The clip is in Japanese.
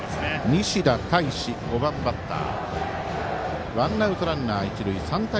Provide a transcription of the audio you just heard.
西田大志、５番バッター。